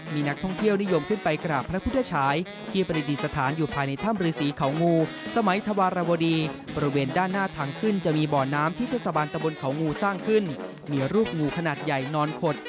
ซึ่งที่อุทยานหิงเขางูแห่งนี้เป็นอีกหนึ่งแหล่งท่องเที่ยวของจังหวัด